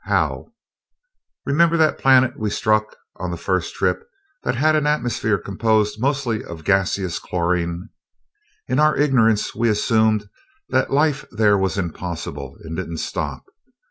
"How?" "Remember that planet we struck on the first trip, that had an atmosphere composed mostly of gaseous chlorin? In our ignorance we assumed that life there was impossible, and didn't stop.